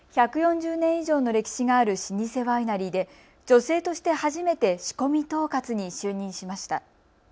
１４０年以上の歴史がある老舗ワイナリーで女性として初めて仕込み統括に就任しました。